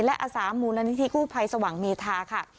และอาสามูลนิธิกู้ภัยสว่างเมธาค่ะ